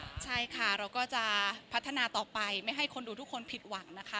ใช่ค่ะเราก็จะพัฒนาต่อไปไม่ให้คนดูทุกคนผิดหวังนะคะ